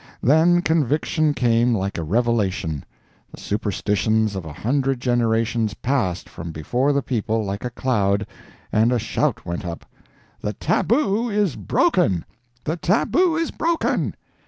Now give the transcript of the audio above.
Then conviction came like a revelation—the superstitions of a hundred generations passed from before the people like a cloud, and a shout went up, "The tabu is broken! the tabu is broken!"